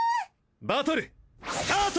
バトルスタート！